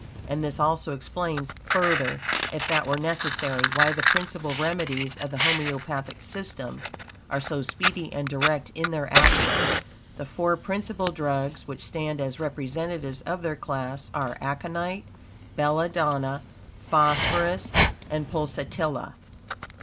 And this also explains, further, if that were necessary, why the principal remedies of the homeopathic system are so speedy and direct in their action. The four principal drugs, which stand as representatives of their class, are aconite, belladonna, phosphorus, and pulsatilla.